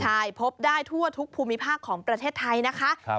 ใช่พบได้ทั่วทุกภูมิภาคของประเทศไทยนะคะ